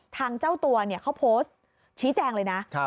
ทางเจ้าตัวเขาโพสต์ชี้แจงเลยนะ